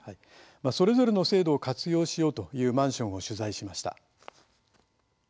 それぞれの制度を活用しようというマンションを取材しました。